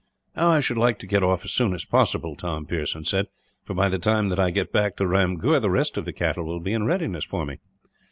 "I should like to get off as soon as possible," Tom Pearson said; "for by the time that I get back to Ramgur, the rest of the cattle will be in readiness for me."